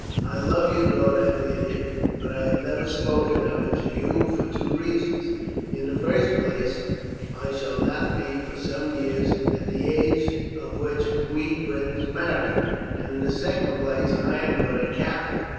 "I love your daughter Aemilia, but I have never spoken of it to you for two reasons. In the first place I shall not be for some years of the age at which we Britons marry, and in the second I am but a captive.